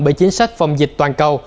bởi chính sách phòng dịch toàn cầu